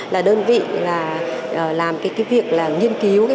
là đơn vị làm việc nghiên cứu